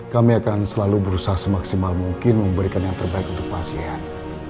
kami akan selalu berusaha semaksimal mungkin memberikan yang terbaik untuk pasien